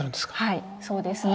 はいそうですね。